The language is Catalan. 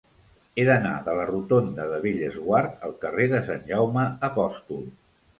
He d'anar de la rotonda de Bellesguard al carrer de Sant Jaume Apòstol.